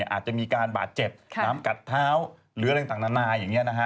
อาจจะมีการบาดเจ็บน้ำกัดเท้าหรืออะไรต่างนานาอย่างนี้นะฮะ